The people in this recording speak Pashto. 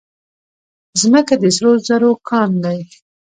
ځمکه د سرو زرو کان دی.